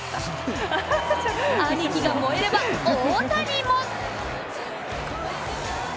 兄貴が燃えれば、大谷も。